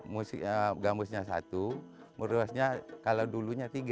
musiknya gambresnya satu kedua duanya kalau dulunya tiga